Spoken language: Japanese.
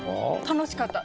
楽しかった。